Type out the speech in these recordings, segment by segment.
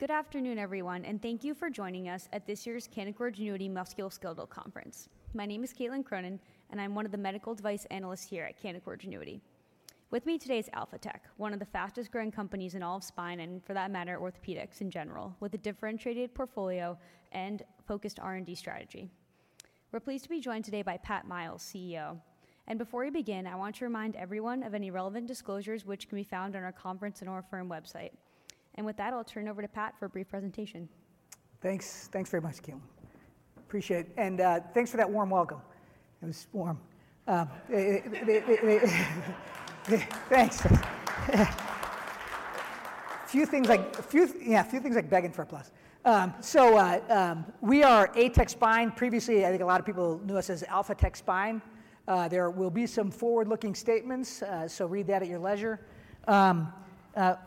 Good afternoon, everyone, and thank you for joining us at this year's Canaccord Genuity Musculoskeletal Conference. My name is Caitlin Cronin, and I'm one of the medical device analysts here at Canaccord Genuity. With me today is Alphatec, one of the fastest-growing companies in all of spine and, for that matter, orthopedics in general, with a differentiated portfolio and focused R&D strategy. We're pleased to be joined today by Pat Miles, CEO. And before we begin, I want to remind everyone of any relevant disclosures which can be found on our conference and our firm website. And with that, I'll turn over to Pat for a brief presentation. Thanks. Thanks very much, Caitlin. Appreciate it. And thanks for that warm welcome. It was warm. Thanks. A few things I begged for, plus. So we are ATEC Spine. Previously, I think a lot of people knew us as Alphatec Spine. There will be some forward-looking statements, so read that at your leisure.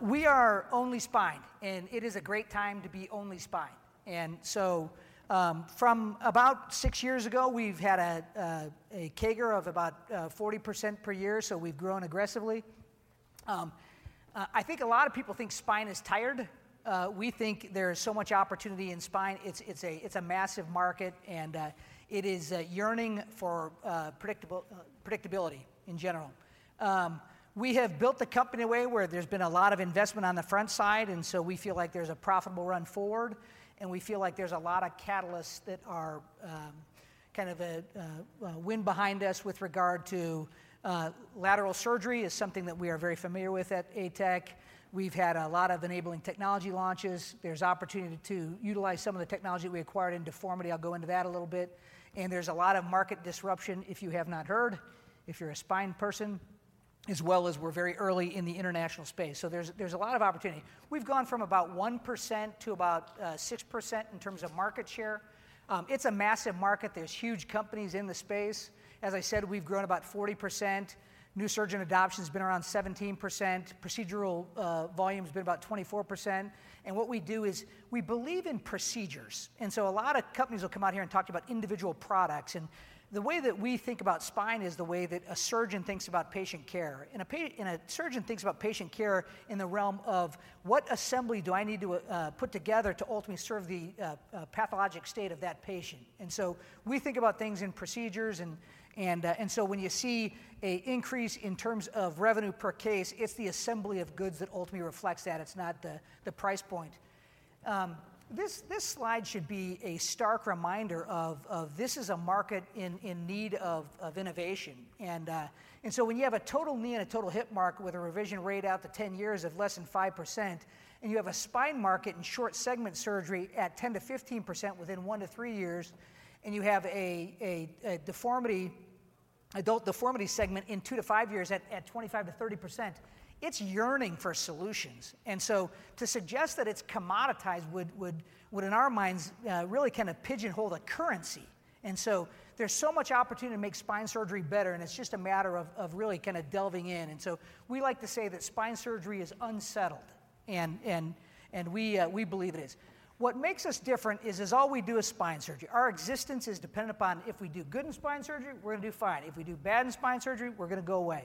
We are only spine, and it is a great time to be only spine. And so from about six years ago, we've had a CAGR of about 40% per year, so we've grown aggressively. I think a lot of people think spine is tired. We think there's so much opportunity in spine. It's a massive market, and it is yearning for predictability in general. We have built the company in a way where there's been a lot of investment on the front side, and so we feel like there's a profitable run forward, and we feel like there's a lot of catalysts that are kind of a wind behind us with regard to lateral surgery as something that we are very familiar with at ATEC. We've had a lot of enabling technology launches. There's opportunity to utilize some of the technology that we acquired in deformity. I'll go into that a little bit. And there's a lot of market disruption, if you have not heard, if you're a spine person, as well as we're very early in the international space. So there's a lot of opportunity. We've gone from about 1%-6% in terms of market share. It's a massive market. There's huge companies in the space. As I said, we've grown about 40%. New surgeon adoption's been around 17%. Procedural volume's been about 24%. And what we do is we believe in procedures. And so a lot of companies will come out here and talk to you about individual products. And the way that we think about spine is the way that a surgeon thinks about patient care. And a surgeon thinks about patient care in the realm of what assembly do I need to put together to ultimately serve the pathologic state of that patient. And so we think about things in procedures. And so when you see an increase in terms of revenue per case, it's the assembly of goods that ultimately reflects that. It's not the price point. This slide should be a stark reminder of this is a market in need of innovation. And so when you have a total knee and a total hip market with a revision rate out to 10 years of less than 5%, and you have a spine market in short segment surgery at 10%-15% within 1-3 years, and you have an adult deformity segment in 2-5 years at 25%-30%, it's yearning for solutions. And so to suggest that it's commoditized would, in our minds, really kind of pigeonhole the currency. And so there's so much opportunity to make spine surgery better, and it's just a matter of really kind of delving in. And so we like to say that spine surgery is unsettled, and we believe it is. What makes us different is all we do is spine surgery. Our existence is dependent upon if we do good in spine surgery, we're going to do fine. If we do bad in spine surgery, we're going to go away.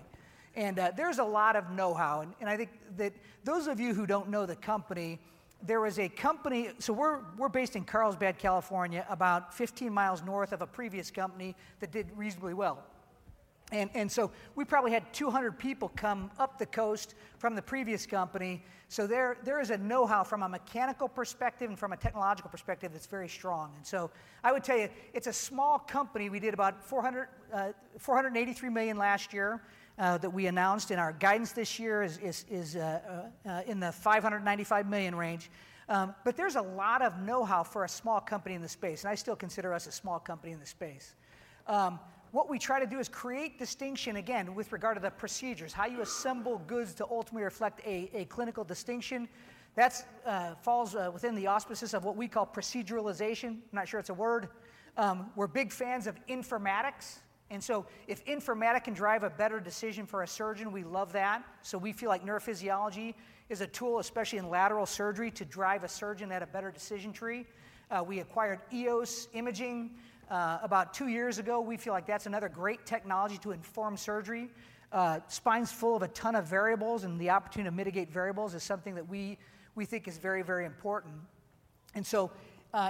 There's a lot of know-how. I think that those of you who don't know the company, there was a company so we're based in Carlsbad, California, about 15 miles north of a previous company that did reasonably well. So we probably had 200 people come up the coast from the previous company. So there is a know-how from a mechanical perspective and from a technological perspective that's very strong. So I would tell you, it's a small company. We did about $483 million last year that we announced. Our guidance this year is in the $595 million range. But there's a lot of know-how for a small company in the space. I still consider us a small company in the space. What we try to do is create distinction, again, with regard to the procedures, how you assemble goods to ultimately reflect a clinical distinction. That falls within the auspices of what we call proceduralization. I'm not sure it's a word. We're big fans of informatics. And so if informatic can drive a better decision for a surgeon, we love that. So we feel like neurophysiology is a tool, especially in lateral surgery, to drive a surgeon at a better decision tree. We acquired EOS Imaging about 2 years ago. We feel like that's another great technology to inform surgery. Spine's full of a ton of variables, and the opportunity to mitigate variables is something that we think is very, very important. And so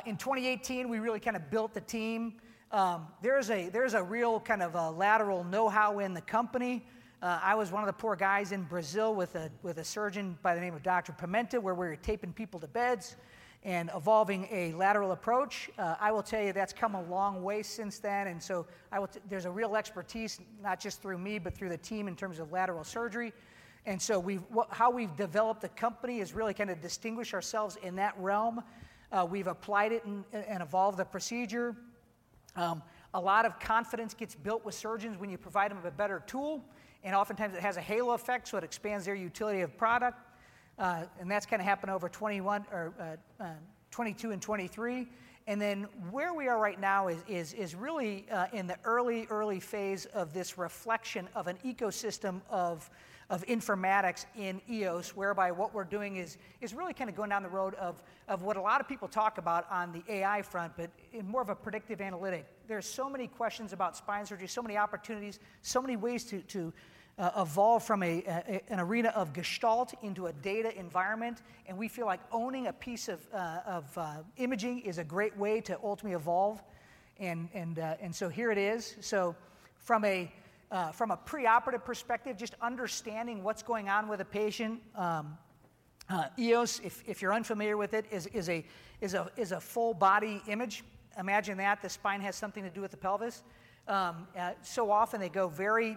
in 2018, we really kind of built the team. There's a real kind of lateral know-how in the company. I was one of the poor guys in Brazil with a surgeon by the name of Dr. Pimenta, where we were taping people to beds and evolving a lateral approach. I will tell you, that's come a long way since then. And so there's a real expertise, not just through me, but through the team in terms of lateral surgery. And so how we've developed the company is really kind of distinguish ourselves in that realm. We've applied it and evolved the procedure. A lot of confidence gets built with surgeons when you provide them with a better tool. And oftentimes, it has a halo effect, so it expands their utility of product. And that's kind of happened over 2022 and 2023. And then where we are right now is really in the early, early phase of this reflection of an ecosystem of informatics in EOS, whereby what we're doing is really kind of going down the road of what a lot of people talk about on the AI front, but in more of a predictive analytic. There's so many questions about spine surgery, so many opportunities, so many ways to evolve from an arena of gestalt into a data environment. And we feel like owning a piece of imaging is a great way to ultimately evolve. And so here it is. So from a preoperative perspective, just understanding what's going on with a patient, EOS, if you're unfamiliar with it, is a full-body image. Imagine that. The spine has something to do with the pelvis. So often, they go very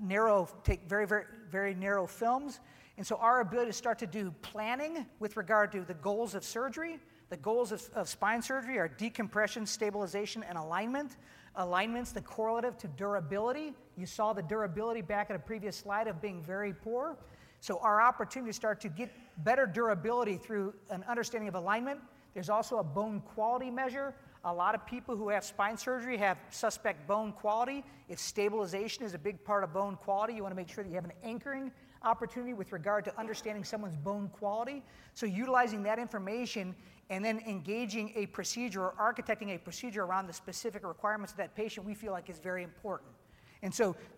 narrow, take very, very narrow films. And so our ability to start to do planning with regard to the goals of surgery, the goals of spine surgery are decompression, stabilization, and alignment, alignments, the correlative to durability. You saw the durability back at a previous slide of being very poor. So our opportunity to start to get better durability through an understanding of alignment. There's also a bone quality measure. A lot of people who have spine surgery have suspect bone quality. If stabilization is a big part of bone quality, you want to make sure that you have an anchoring opportunity with regard to understanding someone's bone quality. So utilizing that information and then engaging a procedure or architecting a procedure around the specific requirements of that patient, we feel like, is very important.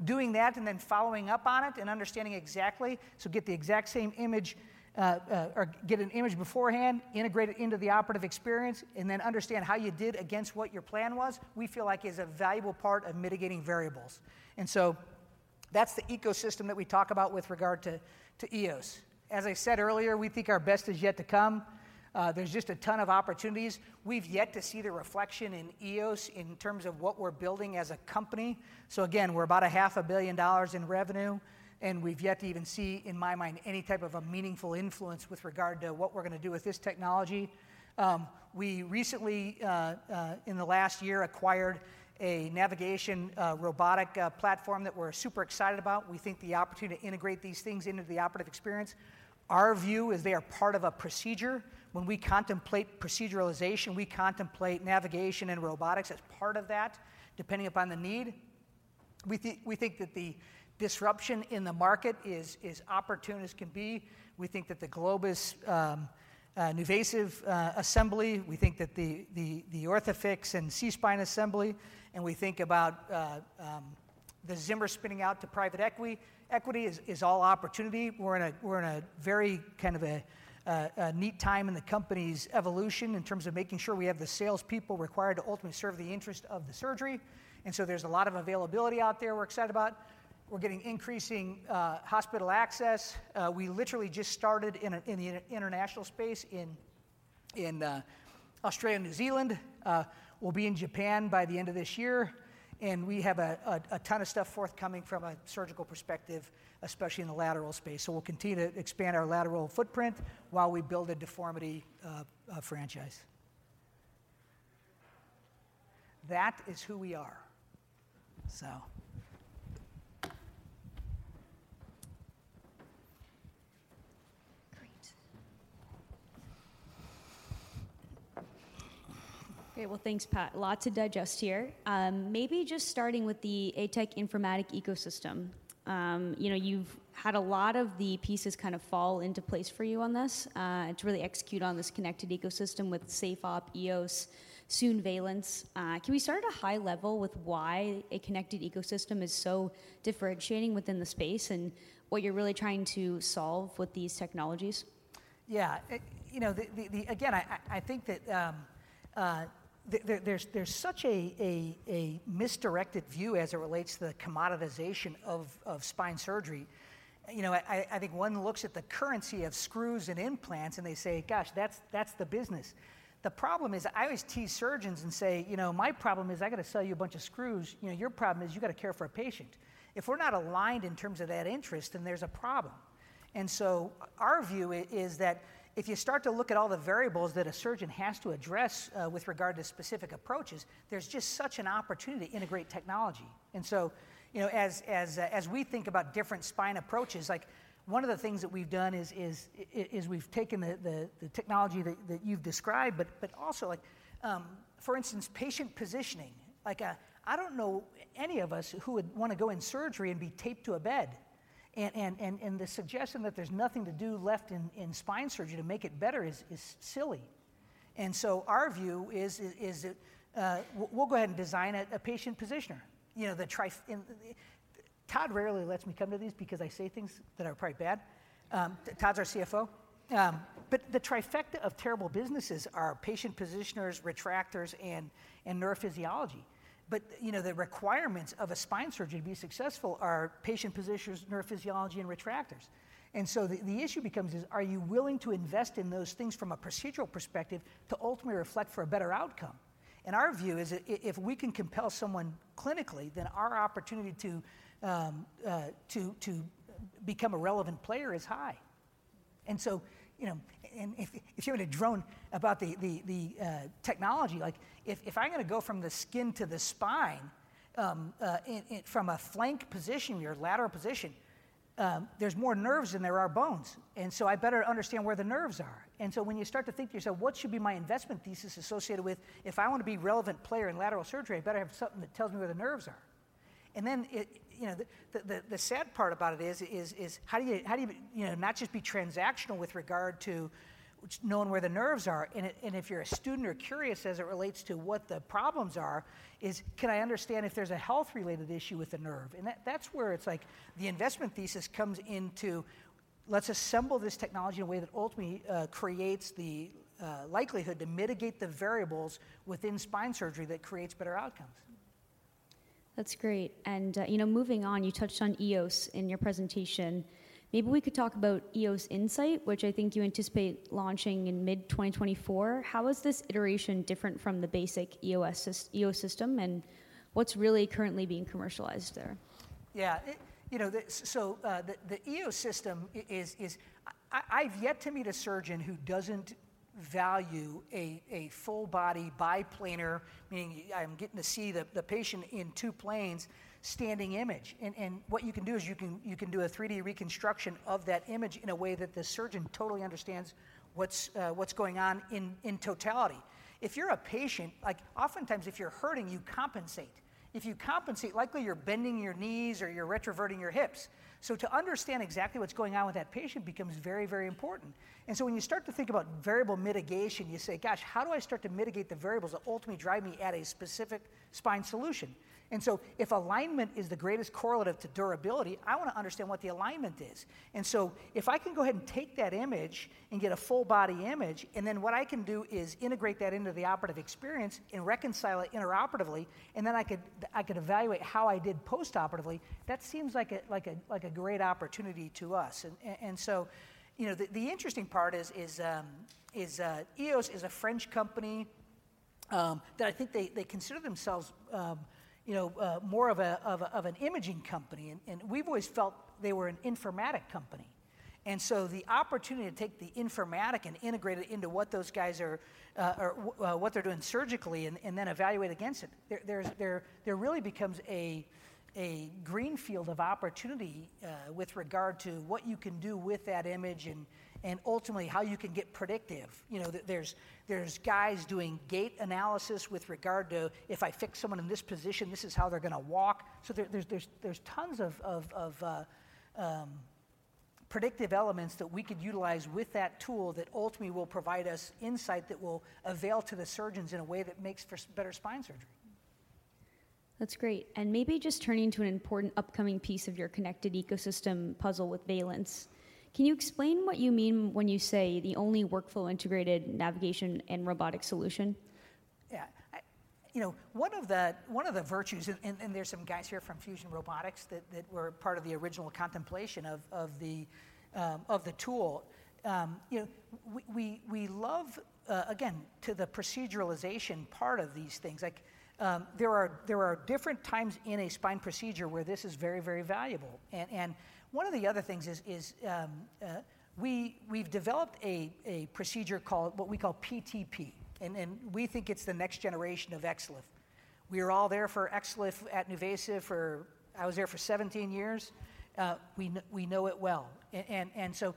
Doing that and then following up on it and understanding exactly so get the exact same image or get an image beforehand, integrate it into the operative experience, and then understand how you did against what your plan was, we feel like, is a valuable part of mitigating variables. That's the ecosystem that we talk about with regard to EOS. As I said earlier, we think our best is yet to come. There's just a ton of opportunities. We've yet to see the reflection in EOS in terms of what we're building as a company. So again, we're about $500 million in revenue, and we've yet to even see, in my mind, any type of a meaningful influence with regard to what we're going to do with this technology. We recently, in the last year, acquired a navigation robotic platform that we're super excited about. We think the opportunity to integrate these things into the operative experience. Our view is they are part of a procedure. When we contemplate proceduralization, we contemplate navigation and robotics as part of that, depending upon the need. We think that the disruption in the market is opportune as can be. We think that the Globus NuVasive assembly, we think that the Orthofix and SeaSpine assembly, and we think about the Zimmer spinning out to private equity. Equity is all opportunity. We're in a very kind of a neat time in the company's evolution in terms of making sure we have the salespeople required to ultimately serve the interest of the surgery. And so there's a lot of availability out there we're excited about. We're getting increasing hospital access. We literally just started in the international space in Australia and New Zealand. We'll be in Japan by the end of this year. We have a ton of stuff forthcoming from a surgical perspective, especially in the lateral space. We'll continue to expand our lateral footprint while we build a deformity franchise. That is who we are, so. Great. Great. Well, thanks, Pat. Lots to digest here. Maybe just starting with the ATEC informatics ecosystem. You've had a lot of the pieces kind of fall into place for you on this to really execute on this connected ecosystem with SafeOp, EOS, Valence. Can we start at a high level with why a connected ecosystem is so differentiating within the space and what you're really trying to solve with these technologies? Yeah. Again, I think that there's such a misdirected view as it relates to the commoditization of spine surgery. I think one looks at the currency of screws and implants, and they say, "Gosh, that's the business." The problem is I always tease surgeons and say, "My problem is I got to sell you a bunch of screws. Your problem is you got to care for a patient." If we're not aligned in terms of that interest, then there's a problem. And so our view is that if you start to look at all the variables that a surgeon has to address with regard to specific approaches, there's just such an opportunity to integrate technology. And so as we think about different spine approaches, one of the things that we've done is we've taken the technology that you've described, but also, for instance, patient positioning. I don't know any of us who would want to go in surgery and be taped to a bed. And the suggestion that there's nothing to do left in spine surgery to make it better is silly. And so our view is we'll go ahead and design a patient positioner. Todd rarely lets me come to these because I say things that are probably bad. Todd's our CFO. But the trifecta of terrible businesses are patient positioners, retractors, and neurophysiology. But the requirements of a spine surgery to be successful are patient positioners, neurophysiology, and retractors. And so the issue becomes is, are you willing to invest in those things from a procedural perspective to ultimately reflect for a better outcome? And our view is if we can compel someone clinically, then our opportunity to become a relevant player is high. If you're in doubt about the technology, if I'm going to go from the skin to the spine from a flank position or lateral position, there's more nerves than there are bones. So I better understand where the nerves are. So when you start to think to yourself, "What should be my investment thesis associated with if I want to be a relevant player in lateral surgery? I better have something that tells me where the nerves are." Then the sad part about it is how do you not just be transactional with regard to knowing where the nerves are? If you're a student or curious as it relates to what the problems are: "Can I understand if there's a health-related issue with the nerve?" That's where it's like the investment thesis comes into let's assemble this technology in a way that ultimately creates the likelihood to mitigate the variables within spine surgery that creates better outcomes. That's great. And moving on, you touched on EOS in your presentation. Maybe we could talk about EOS Insight, which I think you anticipate launching in mid-2024. How is this iteration different from the basic EOS system, and what's really currently being commercialized there? Yeah. So the EOS system is. I've yet to meet a surgeon who doesn't value a full-body biplanar, meaning I'm getting to see the patient in two planes, standing image. And what you can do is you can do a 3D reconstruction of that image in a way that the surgeon totally understands what's going on in totality. If you're a patient, oftentimes, if you're hurting, you compensate. If you compensate, likely, you're bending your knees or you're retroverting your hips. So to understand exactly what's going on with that patient becomes very, very important. And so when you start to think about variable mitigation, you say, "Gosh, how do I start to mitigate the variables that ultimately drive me at a specific spine solution?" And so if alignment is the greatest correlative to durability, I want to understand what the alignment is. And so if I can go ahead and take that image and get a full-body image, and then what I can do is integrate that into the operative experience and reconcile it intraoperatively, and then I could evaluate how I did postoperatively, that seems like a great opportunity to us. And so the interesting part is EOS is a French company that I think they consider themselves more of an imaging company. And we've always felt they were an informatic company. And so the opportunity to take the informatic and integrate it into what those guys are what they're doing surgically and then evaluate against it, there really becomes a greenfield of opportunity with regard to what you can do with that image and ultimately how you can get predictive. There's guys doing gait analysis with regard to, "If I fix someone in this position, this is how they're going to walk." So there's tons of predictive elements that we could utilize with that tool that ultimately will provide us insight that will avail to the surgeons in a way that makes for better spine surgery. That's great. And maybe just turning to an important upcoming piece of your connected ecosystem puzzle with Valence, can you explain what you mean when you say the only workflow-integrated navigation and robotic solution? Yeah. One of the virtues and there's some guys here from Fusion Robotics that were part of the original contemplation of the tool. We love, again, to the proceduralization part of these things. There are different times in a spine procedure where this is very, very valuable. And one of the other things is we've developed a procedure called what we call PTP. And we think it's the next generation of XLIF. We are all there for XLIF at NuVasive. I was there for 17 years. We know it well. And so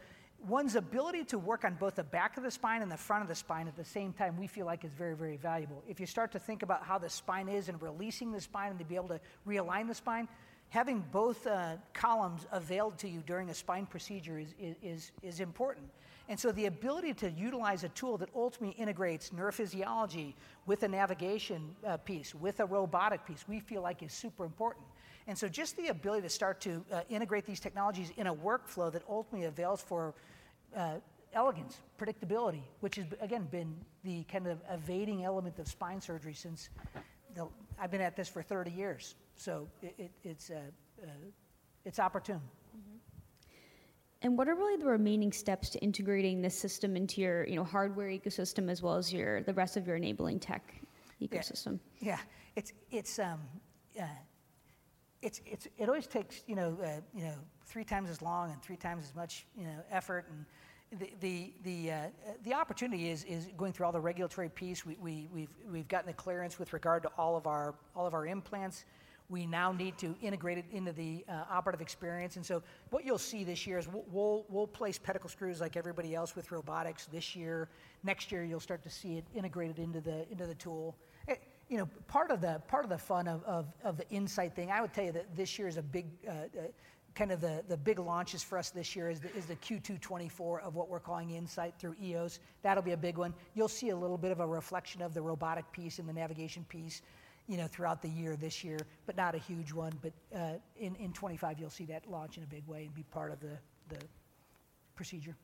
one's ability to work on both the back of the spine and the front of the spine at the same time, we feel like, is very, very valuable. If you start to think about how the spine is and releasing the spine and to be able to realign the spine, having both columns availed to you during a spine procedure is important. And so the ability to utilize a tool that ultimately integrates neurophysiology with a navigation piece, with a robotic piece, we feel like, is super important. And so just the ability to start to integrate these technologies in a workflow that ultimately avails for elegance, predictability, which has, again, been the kind of evading element of spine surgery since I've been at this for 30 years. So it's opportune. What are really the remaining steps to integrating this system into your hardware ecosystem as well as the rest of your enabling tech ecosystem? Yeah. It always takes three times as long and three times as much effort. And the opportunity is going through all the regulatory piece. We've gotten the clearance with regard to all of our implants. We now need to integrate it into the operative experience. And so what you'll see this year is we'll place pedicle screws like everybody else with robotics this year. Next year, you'll start to see it integrated into the tool. Part of the fun of the Insight thing, I would tell you that this year is a big kind of the big launches for us this year is the Q2 2024 of what we're calling EOS Insight. That'll be a big one. You'll see a little bit of a reflection of the robotic piece and the navigation piece throughout the year this year, but not a huge one. But in 2025, you'll see that launch in a big way and be part of the procedure.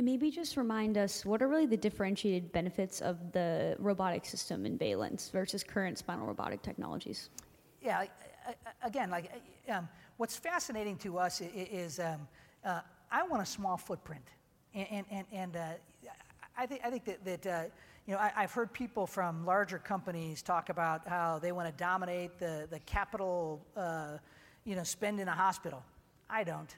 Maybe just remind us, what are really the differentiated benefits of the robotic system in Valence versus current spinal robotic technologies? Yeah. Again, what's fascinating to us is I want a small footprint. I think that I've heard people from larger companies talk about how they want to dominate the capital spend in a hospital. I don't.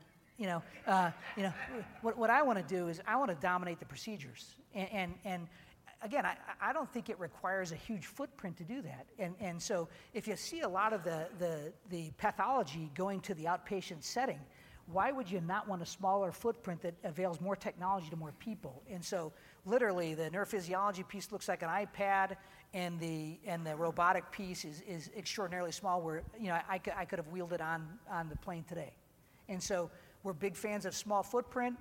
What I want to do is I want to dominate the procedures. Again, I don't think it requires a huge footprint to do that. So if you see a lot of the pathology going to the outpatient setting, why would you not want a smaller footprint that avails more technology to more people? So literally, the neurophysiology piece looks like an iPad, and the robotic piece is extraordinarily small where I could have wheeled it on the plane today. So we're big fans of small footprint.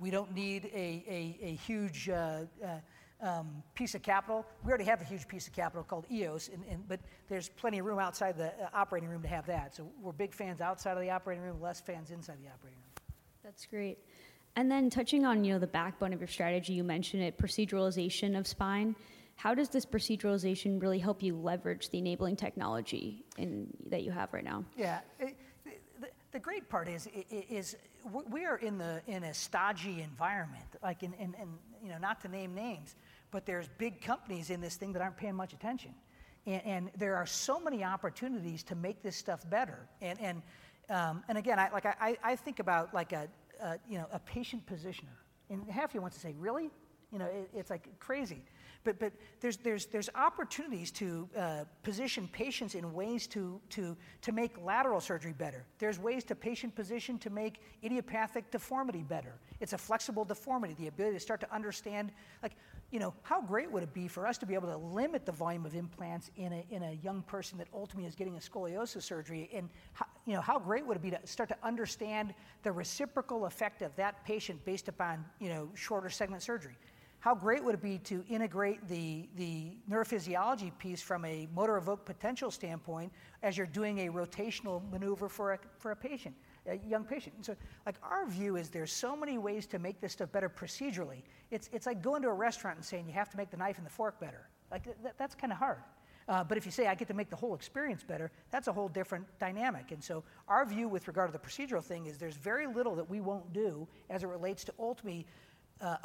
We don't need a huge piece of capital. We already have a huge piece of capital called EOS, but there's plenty of room outside the operating room to have that. So we're big fans outside of the operating room, less fans inside the operating room. That's great. And then touching on the backbone of your strategy, you mentioned it, proceduralization of spine. How does this proceduralization really help you leverage the enabling technology that you have right now? Yeah. The great part is we are in a stodgy environment. Not to name names, but there's big companies in this thing that aren't paying much attention. And there are so many opportunities to make this stuff better. And again, I think about a patient positioner. And half of you want to say, "Really? It's crazy." But there's opportunities to position patients in ways to make lateral surgery better. There's ways to patient position to make idiopathic deformity better. It's a flexible deformity, the ability to start to understand how great would it be for us to be able to limit the volume of implants in a young person that ultimately is getting a scoliosis surgery? And how great would it be to start to understand the reciprocal effect of that patient based upon shorter segment surgery? How great would it be to integrate the neurophysiology piece from a motor evoked potential standpoint as you're doing a rotational maneuver for a young patient? And so our view is there's so many ways to make this stuff better procedurally. It's like going to a restaurant and saying, "You have to make the knife and the fork better." That's kind of hard. But if you say, "I get to make the whole experience better," that's a whole different dynamic. And so our view with regard to the procedural thing is there's very little that we won't do as it relates to ultimately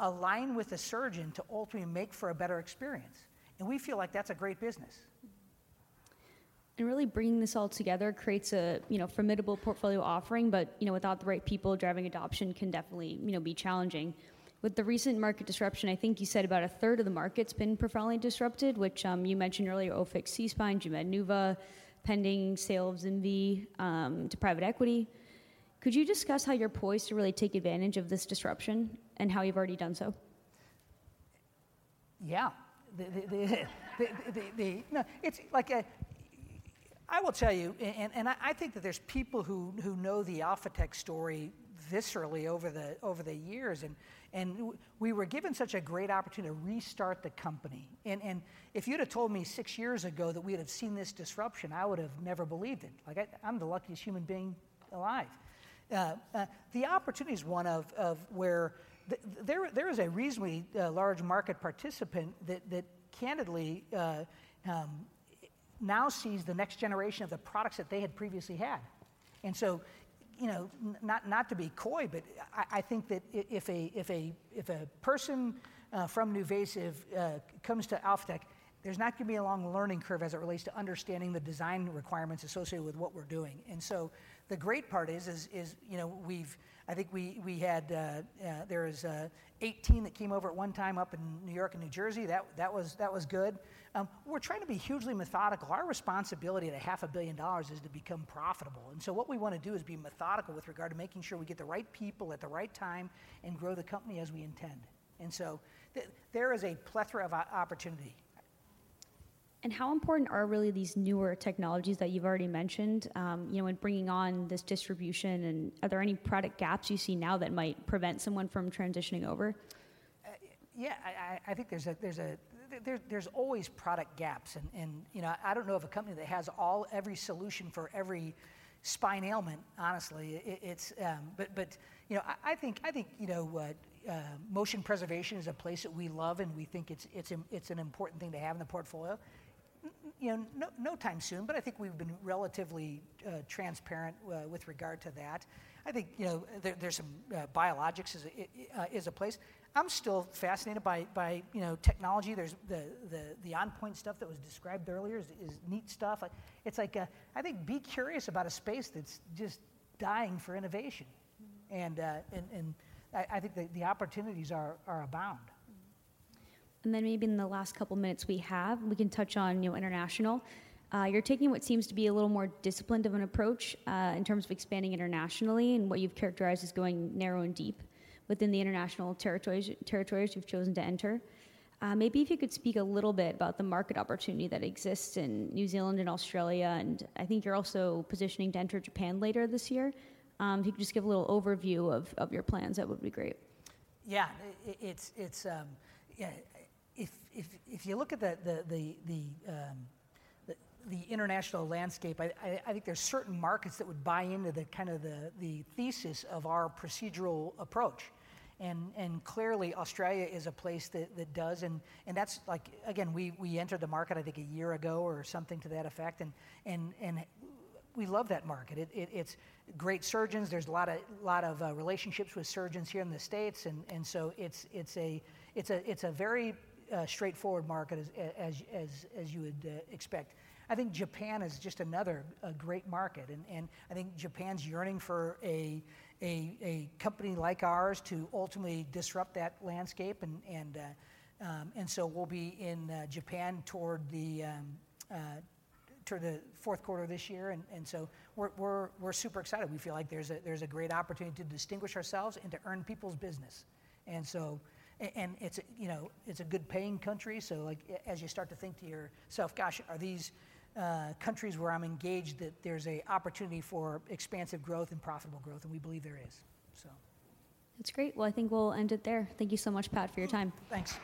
align with the surgeon to ultimately make for a better experience. And we feel like that's a great business. Really bringing this all together creates a formidable portfolio offering, but without the right people, driving adoption can definitely be challenging. With the recent market disruption, I think you said about a third of the market's been profoundly disrupted, which you mentioned earlier, Orthofix, SeaSpine, Globus NuVasive, pending sale of ZimVie to private equity. Could you discuss how you're poised to really take advantage of this disruption and how you've already done so? Yeah. I will tell you, and I think that there's people who know the Alphatec story viscerally over the years. And we were given such a great opportunity to restart the company. And if you'd have told me six years ago that we had seen this disruption, I would have never believed it. I'm the luckiest human being alive. The opportunity is one of where there is a reasonably large market participant that candidly now sees the next generation of the products that they had previously had. And so not to be coy, but I think that if a person from NuVasive comes to Alphatec, there's not going to be a long learning curve as it relates to understanding the design requirements associated with what we're doing. And so the great part is, we've—I think—we had there was 18 that came over at one time up in New York and New Jersey. That was good. We're trying to be hugely methodical. Our responsibility at $500 million is to become profitable. And so what we want to do is be methodical with regard to making sure we get the right people at the right time and grow the company as we intend. And so there is a plethora of opportunity. How important are really these newer technologies that you've already mentioned in bringing on this distribution? Are there any product gaps you see now that might prevent someone from transitioning over? Yeah. I think there's always product gaps. And I don't know of a company that has every solution for every spine ailment, honestly. But I think motion preservation is a place that we love, and we think it's an important thing to have in the portfolio. No time soon, but I think we've been relatively transparent with regard to that. I think there's some biologics is a place. I'm still fascinated by technology. The OnPoint stuff that was described earlier is neat stuff. I think be curious about a space that's just dying for innovation. And I think the opportunities abound. And then maybe in the last couple of minutes we have, we can touch on international. You're taking what seems to be a little more disciplined of an approach in terms of expanding internationally and what you've characterized as going narrow and deep within the international territories you've chosen to enter. Maybe if you could speak a little bit about the market opportunity that exists in New Zealand and Australia. And I think you're also positioning to enter Japan later this year. If you could just give a little overview of your plans, that would be great. Yeah. If you look at the international landscape, I think there's certain markets that would buy into kind of the thesis of our procedural approach. Clearly, Australia is a place that does. Again, we entered the market, I think, a year ago or something to that effect. We love that market. It's great surgeons. There's a lot of relationships with surgeons here in the States. So it's a very straightforward market as you would expect. I think Japan is just another great market. I think Japan's yearning for a company like ours to ultimately disrupt that landscape. So we'll be in Japan toward the fourth quarter of this year. So we're super excited. We feel like there's a great opportunity to distinguish ourselves and to earn people's business. It's a good-paying country. As you start to think to yourself, "Gosh, are these countries where I'm engaged that there's an opportunity for expansive growth and profitable growth?" We believe there is, so. That's great. Well, I think we'll end it there. Thank you so much, Pat, for your time. Thanks.